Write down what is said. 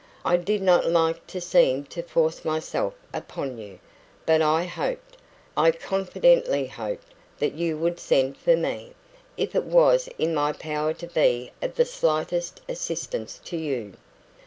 I did not like to seem to force myself upon you, but I hoped I confidently hoped that you would send for me, if it was in my power to be of the slightest assistance to you."